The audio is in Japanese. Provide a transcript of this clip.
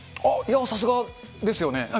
いや、さすがですよね。